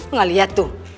lo gak lihat tuh